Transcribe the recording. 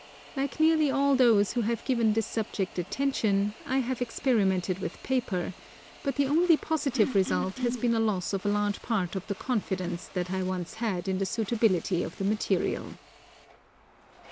Like nearly all those who have given this subject attention, I have experimented with paper, but the only positive result has been a loss of a large part of the confidence that I once had in the suitability of the material.